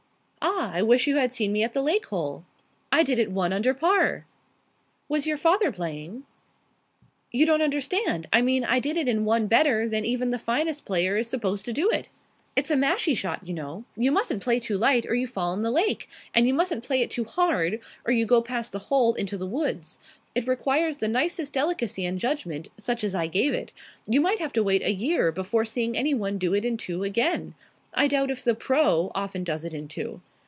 "Ah! I wish you had seen me at the lake hole. I did it one under par." "Was your father playing?" "You don't understand. I mean I did it in one better than even the finest player is supposed to do it. It's a mashie shot, you know. You mustn't play too light, or you fall in the lake; and you mustn't play it too hard, or you go past the hole into the woods. It requires the nicest delicacy and judgment, such as I gave it. You might have to wait a year before seeing anyone do it in two again. I doubt if the 'pro.' often does it in two.